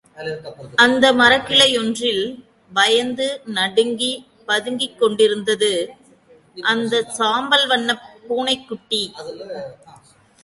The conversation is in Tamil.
அந்த மரக்கிளையொன்றில் பயந்து நடுங்கி பதுங்கிக் கொண்டிருந்தது, அந்த சாம்பல் வண்ணப் பூனைக்குட்டி.